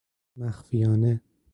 مخفیانه